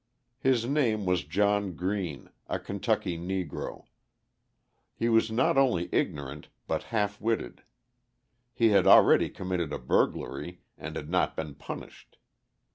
His name was John Green, a Kentucky Negro; he was not only ignorant, but half witted; he had already committed a burglary and had not been punished.